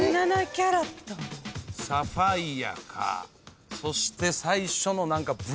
サファイアかそして最初のブラック。